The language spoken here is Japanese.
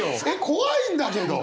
怖いんだけど。